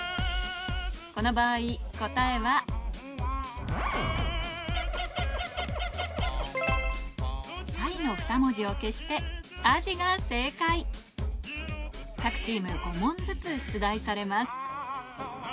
この場合答えは「さい」の２文字を消して各チーム５問ずつ出題されます